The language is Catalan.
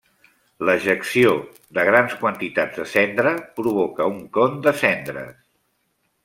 L'ejecció de grans quantitats de cendra provoca un con de cendres.